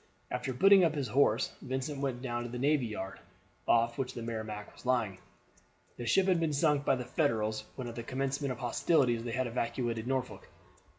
After putting up his horse Vincent went down to the navy yard, off which the Merrimac was lying. This ship had been sunk by the Federals when at the commencement of hostilities they had evacuated Norfolk.